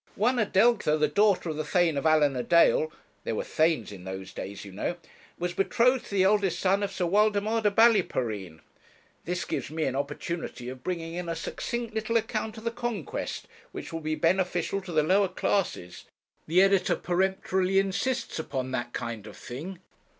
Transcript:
One Adelgitha, the daughter of the Thane of Allan a dale there were Thanes in those days, you know was betrothed to the eldest son of Sir Waldemar de Ballyporeen. This gives me an opportunity of bringing in a succinct little account of the Conquest, which will be beneficial to the lower classes. The editor peremptorily insists upon that kind of thing.'